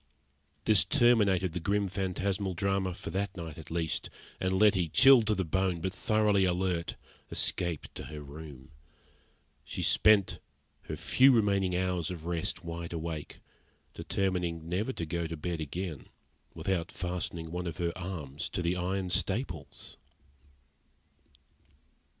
This terminated the grim, phantasmal drama for that night at least, and Letty, chilled to the bone, but thoroughly alert, escaped to her room. She spent her few remaining hours of rest wide awake, determining never to go to bed again without fastening one of her arms to the iron staples.